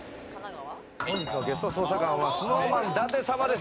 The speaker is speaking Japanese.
本日のゲスト捜査官はＳｎｏｗＭａｎ、舘様です。